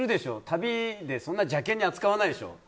旅でそんなに邪険に扱わないでしょ？